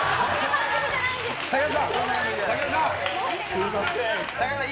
すみません。